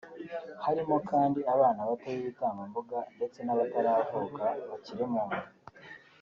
harimo kandi abana bato b’ibitambambuga ndetse n’abataravuka bakiri mu nda